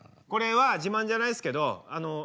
これは自慢じゃないすけどあの。